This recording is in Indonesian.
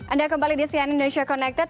anda kembali di cnn indonesia connected